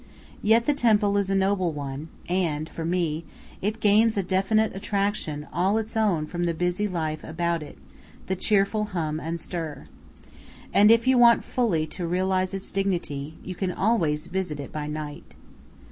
Yet the temple is a noble one, and, for me, it gains a definite attraction all its own from the busy life about it, the cheerful hum and stir. And if you want fully to realize its dignity, you can always visit it by night.